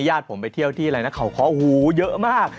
ญาติผมไปเที่ยวที่อะไรนะเขาเคาะหูเยอะมาก